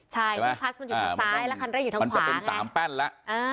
ใช่คลัสมันอยู่ทางซ้ายแล้วคันเร่งอยู่ทางขวาไงมันจะเป็นสามแป้นแล้ว